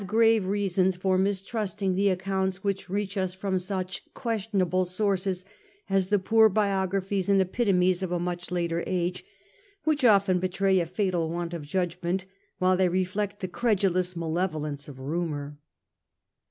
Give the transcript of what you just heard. grave reasons for mistrusting the accounts which reach us from such questionable sources as the poor biographies and epitomes of a much later age, which often betray a fatal want of judgment while they reflect the credulous malevolence of rumour.